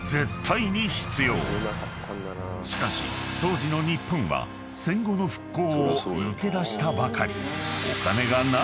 ［しかし当時の日本は戦後の復興を抜け出したばかり］